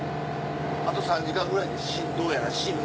あと３時間ぐらいでどうやら死ぬ。